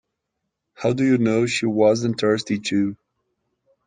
How do you know she wasn’t thirsty too?